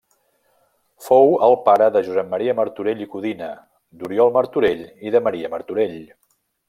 Fou el pare de Josep Maria Martorell i Codina, d'Oriol Martorell i de Maria Martorell.